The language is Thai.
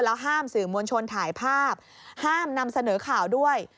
ห้ามสื่อมวลชนถ่ายภาพห้ามนำเสนอข่าวด้วย